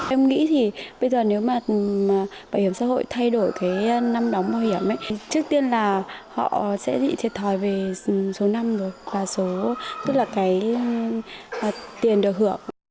em nghĩ thì bây giờ nếu mà bảo hiểm xã hội thay đổi cái năm đóng bảo hiểm ấy trước tiên là họ sẽ bị thiệt thòi về số năm rồi và số tức là cái tiền được hưởng